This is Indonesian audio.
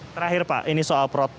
terakhir pak ini soal